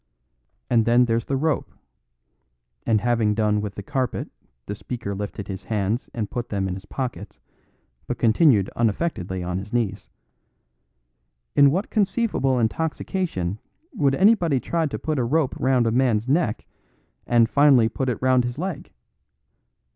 And then there's the rope" and having done with the carpet the speaker lifted his hands and put them in his pocket, but continued unaffectedly on his knees "in what conceivable intoxication would anybody try to put a rope round a man's neck and finally put it round his leg?